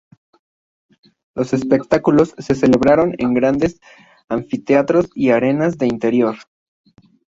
Los espectáculos se celebraron en grandes anfiteatros y Arenas de interior.